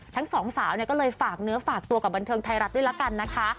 ทั้งสองสาวก็เลยฝากเนื้อฝากตัวกับบันเทิงไทยรัฐด้วยละกันนะคะ